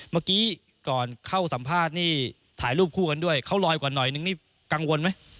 เมื่อกี้ก่อนเข้าสัมภาษณ์นี่ถ่ายรูปคู่กันด้วยเขาลอยกว่าหน่อยนึงนี่กังวลไหม